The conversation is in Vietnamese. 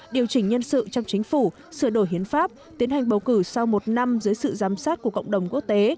điều chỉnh nhân sự trong chính phủ sửa đổi hiến pháp tiến hành bầu cử sau một năm dưới sự giám sát của cộng đồng quốc tế